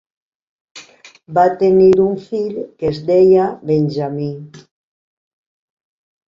Va tenir un fill que es deia Benjamí.